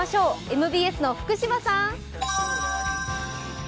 ＭＢＳの福島さん！